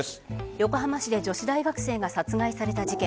横浜市で女子大学生が殺害された事件。